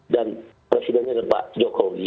dan presidennya bapak jokowi